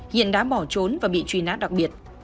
hiện đã bỏ trốn và bị truy nã đặc biệt